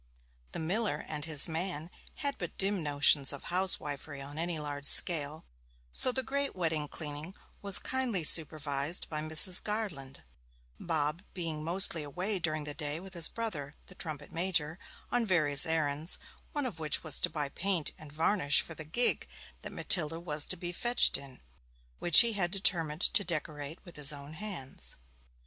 The miller and his man had but dim notions of housewifery on any large scale; so the great wedding cleaning was kindly supervised by Mrs. Garland, Bob being mostly away during the day with his brother, the trumpet major, on various errands, one of which was to buy paint and varnish for the gig that Matilda was to be fetched in, which he had determined to decorate with his own hands.